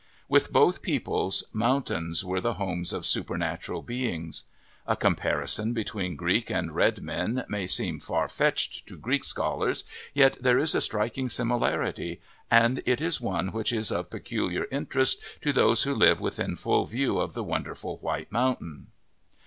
With both peoples, mountains were the homes of supernatural beings. A comparison between Greek and red men may seem far fetched to Greek scholars, yet there is a striking similarity, and it is one which is of peculiar interest to those who live within full view of the wonderful "White Mountain."